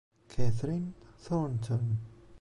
Kathryn Thornton